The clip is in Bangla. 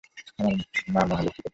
আমার মা মহালক্ষী কোথায়?